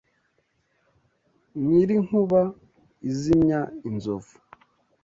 Nyiri inkuba izimya inzovu